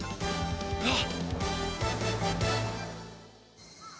あっ。